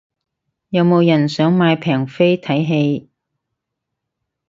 有冇人想買平飛睇戲